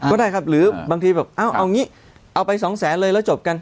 ก็ได้ครับหรือบางทีแบบเอางี้เอาไปสองแสนเลยแล้วจบกัน